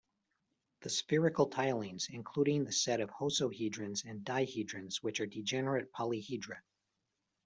The spherical tilings including the set of hosohedrons and dihedrons which are degenerate polyhedra.